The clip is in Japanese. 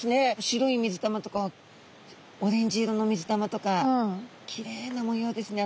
白い水玉とかオレンジ色の水玉とかきれいな模様ですね。